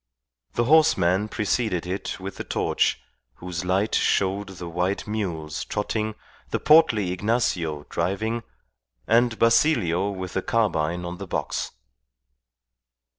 The horseman preceded it with the torch, whose light showed the white mules trotting, the portly Ignacio driving, and Basilio with the carbine on the box.